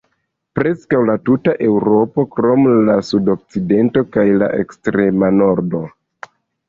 Preskaŭ la tuta Eŭropo krom la sud-okcidento kaj la ekstrema nordo.